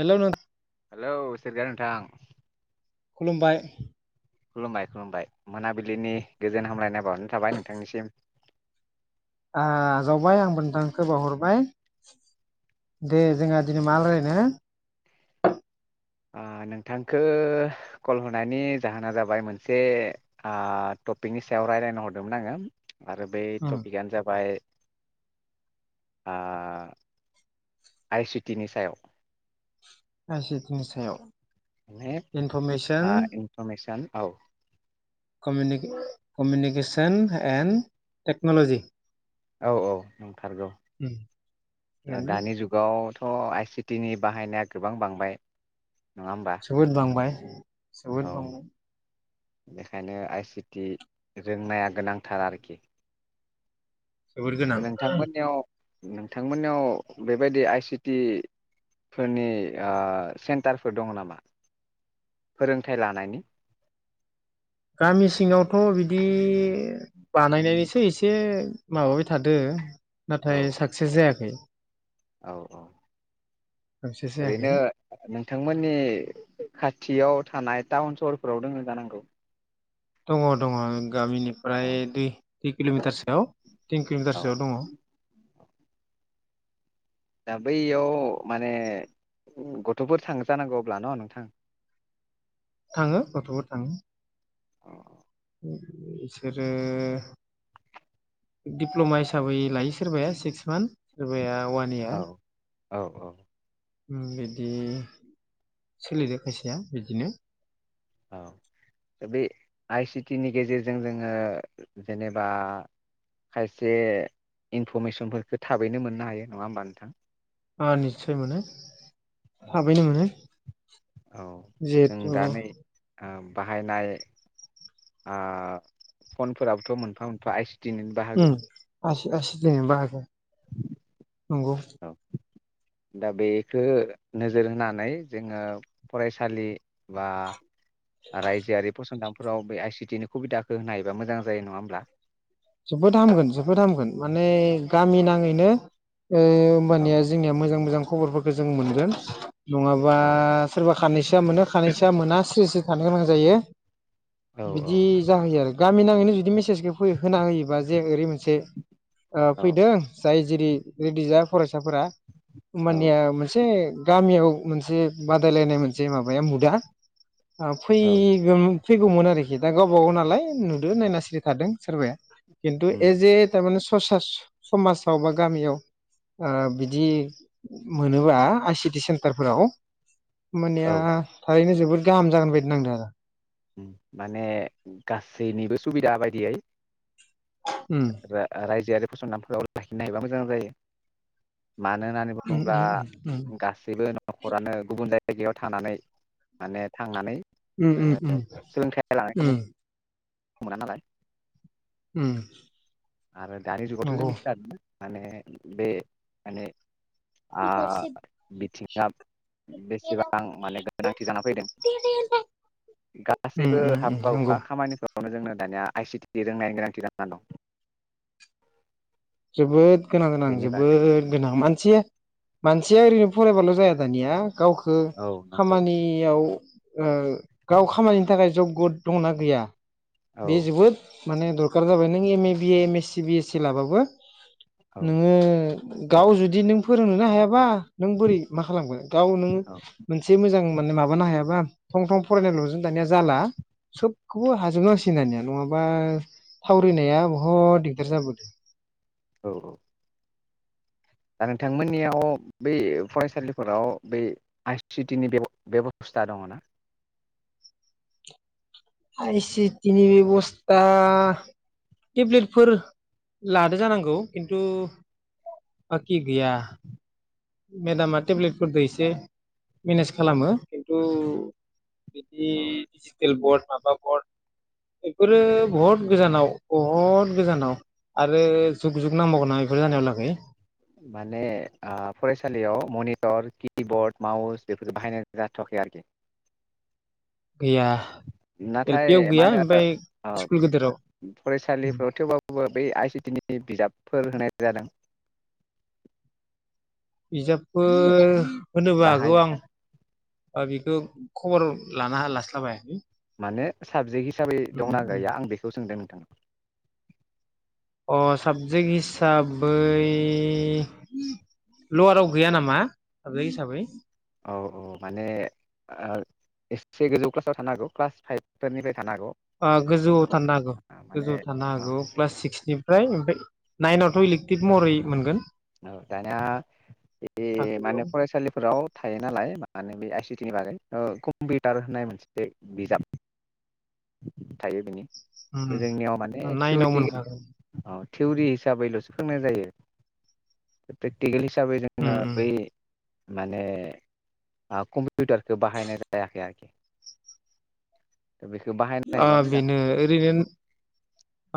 हेल' नों हेलौ सोरगियारि नोंथां। खुलुमबाय। खुलुमबाय खुलुमबाय मोनाबिलिनि गोजोन हामलायनाय बावहरनाय थाबाय नोंथांनिसिम। आ जावबाय आंबो नोंथांखौ बावहरबाय दे जोंहा दिनै मा रायलायनो? आ नोंथांखो कल हरनायनि जाहोना जाबाय मोनसे आ टपिकनि सायाव रायजल्लायनो हरदोंमोन आङो। आरो बे टपिकआनो जाबाय आ आइ सिटि नि सायाव। आइ सि टि नि सायाव माने इनफरमेसन आ इनफरमेसन औ कमिनिक कमिउनिकेसन एण्ड टेक्न'लजि औ औ नंथारगौ। उम थिगानो दानि जुगाव अ आइसिटि नि बाहायनाया गोबां बांबाय। नङा होमबा जोबोद बांबाय। जोबोद औ बांबाय। बेखायनो आइ सिटि रोंनाया गोनांथार आरोखि। जोबोर गोनां। नोंथांमोनयाव बेबायदि आइसिटि फोरनि आ सेन्टारफोर दङ नामा फोरोंथाय लानायनि? गामि सिङावथ' बिदि बानायनायनिसो एसे माबाबाय थादों औ नाथाय साक्सेस जायाखै। औ औ साक्सेस जायाखै ओरैनो नोंथांमोननि खाथियाव थानाय टाउन सहरफोराव दङ जानांगौ दङ दङ। गामिनिफ्राय औ दि कि किल'मिटारसोआव थिन औ किल'मिटारसोआव दङ दा बैयाव माने गथ'फोर थांजानांगौ अब्ला न' नोंथां? थाङो गथ'फोर थाङो। अ बिसोरो दिप्ल'मा हिसाबै लायो सोरबाया सिक्स मान सोरबाया हौवानिया औ औ। ओम बिदि सोलिदो फैसाया बिदिनो औ दा बे आइ सिटि नि गेजेरजों जोङो जेनेबा खायसे इनफरमेसनफोरखौ थाबैनो मोननो हायो नङा होमबा नोंथां? अ निस्सय मोनो। औ थाबैनो मोनो जिहेथु आ बाहायनाय आ फनफोराबोथ' मोनफा मोनफा आइ सि दिनैनो बाहागो। आसि आसि देनिनो बाहागो। नंगौ। औ दा बेखो नोजोर होनानै जोङो फरायसालि बा रायजोआरि फसंदान फ्राव बे आइ सिटि नि खुबिदाखौ होनो हायोबा मोजां जायो नङा होमब्ला? जोबोद हामगोन जोबोद हामगोन माने गामि नाङैनो ओ औ होनबानि जोंनिया मोजां मोजां खबरफोरखौ जों मोनगोन नङाबा औ सोरबा खानैसोया मोनो खानैसोया मोना सिरि स्रि थानो गोनां जायो। औ बिदि जाहैयो आरो गामि नाङैनो जुदि मेसेजखौ फै होयो बा जे ओरै मोनसे ओ औ फैदों जाय जेरि रेडि जा फरायसा फोरा औ होमबानिया मोनसे गामियाव मोनसे बादाय लायनाय मोनसे माबाया मुद आ आ फै औ गोम फैगौमोन आरोखि दा गावबागाव नालाय नुदो नायना सिरि थादों सोरबाया। खिन्थु ए उम जे थारमाने स ससास समाजाव बा गामियाव ओ बिदि मोनोबा आइ सि टि सेन्टार फोराव औ होमबानिया थारैनो जोबो बुहुद गाहाम जागोन बायदि नांदों आरो। ओम माने गासै निबो सुबिदा बायदियै उम रा रायजोयारि फसंथान फोराव लाखिनो हायोबा मोजां जायो। मानो होननानै उम बुङोब्ला उम उम गासैबो नखरानो गुबुन जाय जायगायाव थानानै माने थांनानै उम ओ उम। उम सोलोंथाइ लानाय खाबु उम। मोना नालाय। उम आरो दानि जुगावथ जों नंगौ मिथिखा गो माने बे माने आ बिथिङा बेसेबां माने गोनांथि जाना फैदों उम गासैबो उम उम हाबा नंगौ हुखा खामानि फोराव बेखौनो जोंनो दानिया आइ सि टि रोंनाय नि गोनांथि जाना दं। जोबोद गोनां गोनां बेनि बागै जोबोद गोनां मानसि मानसिया ओरैनो फरायबाल जाया दानिया गावखौ औ नंगौ खामानि याव ओ गाव खामानिनि थाखाय जग गद दंङ ना गैया? औ बे जोबोद माने दरखार जाबाय नों M A, B A, M S C, B S C लाबाबो औ नोङो गाव जुदि नों फोरों नोनो हायाबा नों बोरै मा खालामगोन गाव नोङो औ मोनसे मोजां मानो माबानो हायाबा थं थं फरायनायल' जों दानिया जाला सोबखौबो हाजोब नांसि गोन नङाबा थावरि नाया बहुद दिगदार जाबोदों। औ औ। दा नोंथांमोननियाव बै फरायसालिफोराव बै आइ सिटि नि बेब बेबस्था दङ ना? आइ सिटि नि बेबस्था टेब्लेटफोर लादो जानांगौ खिन्थु बाकि गैया। मेदामा टेब्लेटफोरदो इसे मेनेज खालामो। औ। बिदि औ डिजिटेल बर्ड माबाफोर बेफोरो बहुत गोजानाव बहुद गोजानाव आरो औ जुग -जुग नांबागोन मा बेफोर जानायाव लागै माने ओह फरायसालियाव मनिटर किबर्ड माउस बेफोर बाहायनाय जाथवाखै आरोखि। गैया एल नाथाय पि आव मा गैया होनो ओमफ्राय स्कुल गेदेराव ओ फरायसालिफ्राव थेवबाबाबो बै आइ सिटि नि बिजाबफोर होनाय जादों। बिजाबफोर होनोबो हागौ बाहाय आं बा बेखौ खबर लाना हा लास्लाबाय माने साबजेखहिसा हिसाबै दंना गैया आं बेखौ सोंदों नों [unintelligible] अ साबजेक्ट हिसाबै लवाराव गैया नामा साबजेक्ट हिसाबै औ -औ माने ओ एसे गोजौ क्लासाव थानो हागौ क्लास फाइभफोरनिफ्राय थानो हागौ औ गोजौआव थानो हागौ माने गोजौआव थानो औ हागौ क्लास सिक्सनिफ्राय ओमफ्राय औ नाइनावथ' इलेकटिफ महरै मोनगोन औ दानिया बे माने थाखोआव फरायसालिफोराव थायो नालाय माने बे आइ सिटि नि बागै कम्पिउटार होननाय मोनसे बिजाब थायो बेनि जोंनियाव माने नाइनाव थिउरिटिकेल औ थिउरि हिसाबैल'सो फोरोंनाय जायो प्रेक्टिकेलि हिसाबै दङ मोनखागोन बै माने कम्पिउटारखौ बाहायनाय जायाखै आरोखि बेखौ बाहायनो आ हायोबा मोजां बेनो ओरैनो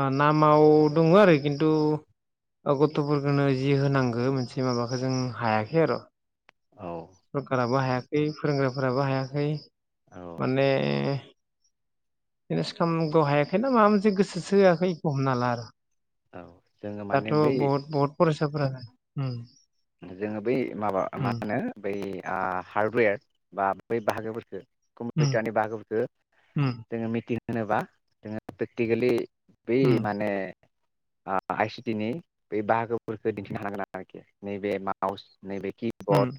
ओ नाम माव दङ आरो खिन्थु गथ'फोरखौनो जि होनांगौ मोनसे माबाखौ जों हायाखै आरो औ सरखाराबो हाय खै फोरोंग्राफोराबो हायाखै औ माने ओम मेनेस खालामग' हायाखैना माबा मोनसे गोसोसो होआखै इखो हमनो हाला आरो औ जोङो माने दाथ' बै बहुत- बहुत फरायसा [unintelligible] उम जोङो बै माबा मा होनो बै ओ हार्डवेर बा बै बाहागोफोरखो कम्पिटारनि उम बाहागोखौ जोङो मिथि होनोबा जोङो प्रेकटिकेलि बै उम माने आइ सिटि नि बे बाहागोफोरखौ दिन्थिनो हानांगोन आरोखि नैबे माउस नैबे उम किबर्ड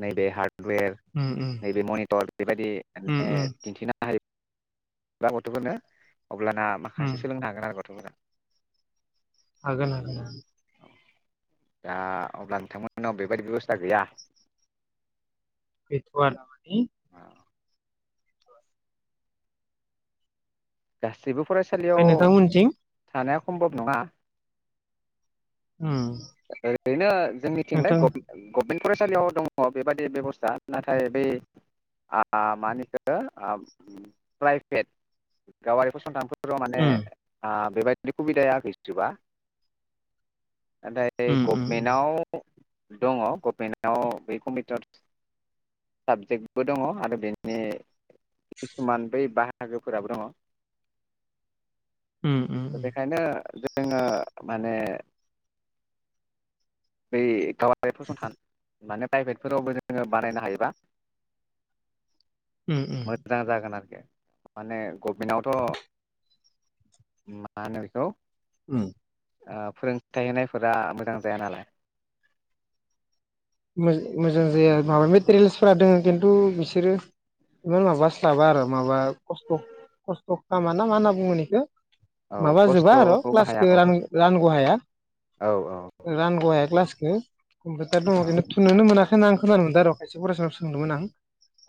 नै बे [unintelligible] वेर उम उम नैबे मनिटर बेबायदि उम माने उम दिन्थिनो हायो दा गथ'फोरनो अब्लाना उम माखासे सोलोंनो हागोन आरो [unintelligible] हागोन हागोन। दा अब्ला नोंथांमोननाव बेबायदि बेबस्था गैया? गैथ'आ दामानि [unintelligible] सैबो फरायसालियाव ओमफ्राय नोंथांमोनथिं थानाया सम्भब नङा। उम ओरैनो जोंनिथिंलाय नोंथां गभ-गभमेन्ट फरायसालियाव दङ बेबादि बेब'स्था नाथाय बै आ मा होनो इखो ओ प्राइभेट गावारि फसंथानफोर फोराव माने उम आ बेबायदिनो खुबिदाया गैजुबा नाथाय उम उम गभमेन्टआव दङ गभमेन्टआव बे कम्पिटार साबजेक्टबो दङ आरो बेनि किसुमान बै बाहागोफोराबो दङ। उम उम दा बेखायनो जों जोङो माने [inaudible] बै गावारि फसंथान माने प्राइभेटफोरावबो जोङो बानायनो हायोबा उम उम मोज्जां जागोन आरो माने गभमेन्टआवथ' [inaudible] मा होनो बेखौ उम ओ फोरोंथाइ होनायफोरा मोजां जाया नालाय। मोज-मोजां जाया माबा मेटेरियेल्सफोरा दोङो किन्तु बिसोरो इमान माबास्लाबा आरो माबा खस्थ' खस्थ' खामा ना मा होनना बुंगोन इखो? औ माबाजोबा आर' खस्थ'खौ बाहाया क्लासखो औ रान-रानग' हाया औ औ रानग' हाया क्लासखो कम्पिउटार दङ [unintelligible] [unintelligible] आं खोनानो मोनदो आरो। फरायसानाव सोंदोंमोन आं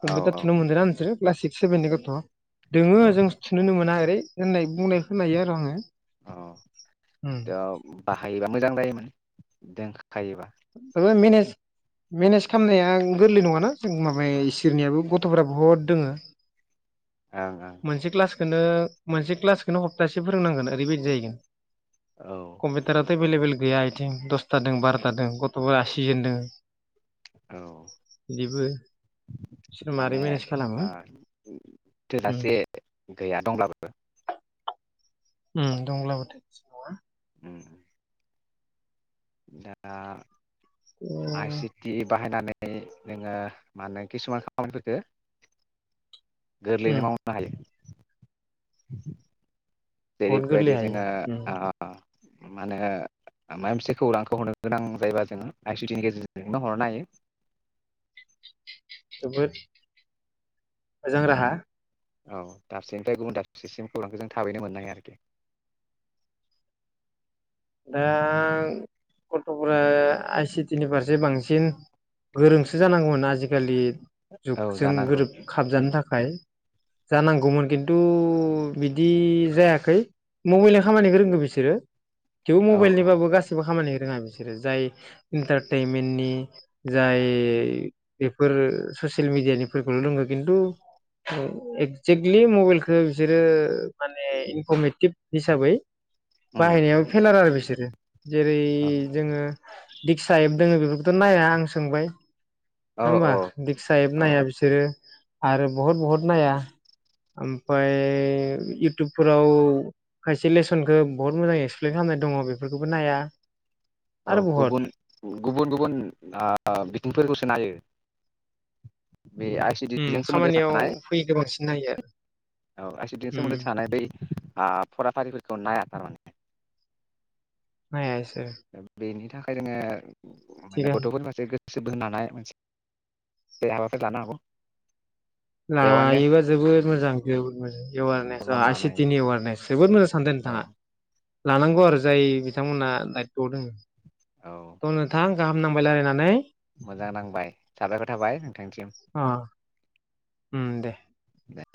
कम्पिटार औ थुनो मोनदोना नोंसोरो क्लास सिक्स सेभेननि गथ'। दोङो औ जों थुनोनो मोना ओरै होननाय बुंनाय खोनायो आर' आङो औ उम। बाहायोबा मोजां जायोमोन दों [unintelligible] मेनेज खालामनाया गोरलै नङाना जों माबाय इसोरनियाबो गथ'फोरा बहुद दोङो। ओं ओं। खोनो मोनसे क्लासखोनो हप्तासे फोरोंनांगोन ओरैबायदि जाहैगोन। औ कम्पिटाराथ' एभेलेबेल गैया आथिं दसथादों बार'थादोंं। गथ'फोरा सिजोन दों। औ [unintelligible] बिबो सो मारै माने मेनेज खालामो ओ उम। थोजासे गैया दंब्लाबो। ओम दंब्लाबोथ' नङा। उम दा। आइ सिटि बाहायनानै। नोङो मा होनो किसुमान खामानिफोरखो। उम गोरलैयैनो मावनो हायो। [inaudible] बहुद गोरलै जेरैबादि हायो जोङो उम ओ ओ। मा होनो माबा मोनसे खौरांखौ होनरो गोनां जायोबा जोङो आइसुटि नि गेजेरजोंनो हरनो हायो। जोबोद मोजां राहा औ दाबसेनिफ्राय गुबुन दाबसेसिम खौरांखौ जों थाबैनो मोननो हायो आरोखि दा गथ'फोरा आइ सिटि नि फारसे बांसिन गोरोंसो जानांगौमोन आजिखालि औ जुगजों जानांगौ गोरोब खाबजानो थाखाय थाखाय जानांगौमोन खिन्थु बिदि जायाखै मबाइलनि खामानिखौ रोंगौ बिसोरो थेव औ औ मबाइलनिबाबो गासिबो खामानि रोङा बिसोरो जाय इन्टारटनमेन्टनि जाय बेफोर ससियेल मिडियानिफोरखौल' रोंङो खिन्थु एक्जेक्टलि मबाइलखौ बिसोरो माने इनफरमेटिभ हिसाबै उम बाहायनायाव आरो बिसोरो जेरै औ जोङो दिक्सा एप दोङो बे बेथ' नाया आं सोंबाय। औ नङा होमबा औ दिक्सा एब औ नाया बिसोरो आरो बहुद बहुद नाया ओमफाय इउटुबफोराव खायसे लेसनखौ बहुत मोजां ए प्लेन खालामनाय दङ बेफोरखौबो नाया। औ आरो बहत गुबुन गुबुन गुबुन ओ बिथिंफोरखौसो नायो। बे आइ उम सिटिजों खामानियाव फैगो बांसिन। नायो आरो। उम [unintelligible] आं फराफारिफोरखौ नाया थारमाने। नाया इसो बेनि थाखाय जोङो माने थिगानो गथ'फोरनि जे‌ [unintelligible] लायोबा जोबोद मोजां जोबोद मोजां एवारनेस प्रग्राम आ लानो सिटि हायो नि औ एवारनेस जोबोद मोजां सानदो नोंथाङा। औ लानांगौ आरो जाय बिथांमोना औ थ' नोंथां गाहामनांबाय लायरायनानै। मोजां नांबाय साबायखर थाबाय नोंथांनिसिम। अ उम दे। दे